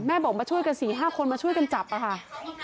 แม่บอกมาช่วยกันสี่ห้าคนมาช่วยกันจับค่ะค่ะ